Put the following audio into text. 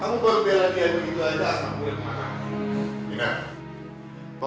kamu berubah rakyat begitu aja aku udah kemana